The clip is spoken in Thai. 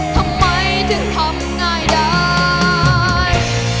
ทำไมถึงทำง่ายได้